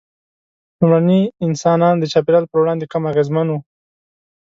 لومړني انسانان د چاپېریال پر وړاندې کم اغېزمن وو.